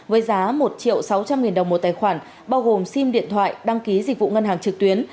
với giá một triệu sáu trăm linh nghìn đồng một tài khoản bao gồm sim điện thoại đăng ký dịch vụ ngân hàng trực tuyến